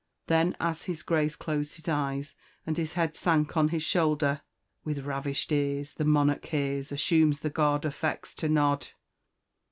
Then, as his Grace closed his eyes, and his head sank on his shoulder "With ravish'd ears The monarch hears, Assumes the god, Affects to nod."